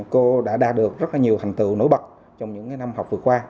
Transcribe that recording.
cô đã đạt được rất là nhiều thành tựu nổi bật trong những năm học vừa qua